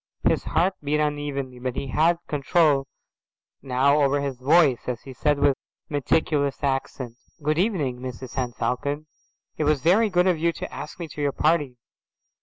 His heart beat unevenly, but he had control now over his voice, as he said with meticulous accent, "Good evening, Mrs Henne Falcon. It was very good of you to ask me to your party."